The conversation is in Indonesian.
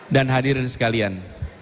dan hadirin sekalian